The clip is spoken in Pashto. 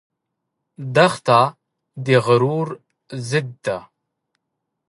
دښته د غرور ضد ده.